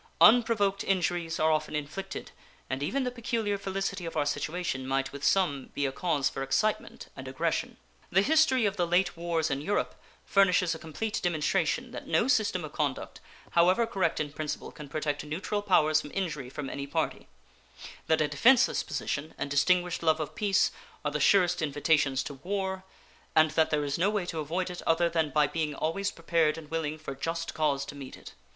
Unprovoked injuries are often inflicted and even the peculiar felicity of our situation might with some be a cause for excitement and aggression. The history of the late wars in Europe furnishes a complete demonstration that no system of conduct, however correct in principle, can protect neutral powers from injury from any party; that a defenseless position and distinguished love of peace are the surest invitations to war, and that there is no way to avoid it other than by being always prepared and willing for just cause to meet it.